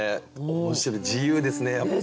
面白い自由ですねやっぱ。